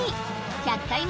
１００回目。